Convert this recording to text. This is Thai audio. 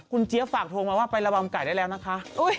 คุณเจี๊ยบฝากโทรมาว่าไประวังไก่ได้แล้วนะคะ